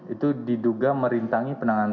itu diduga merintangi penanganan